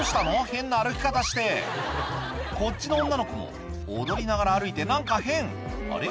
変な歩き方してこっちの女の子も踊りながら歩いて何か変あれ？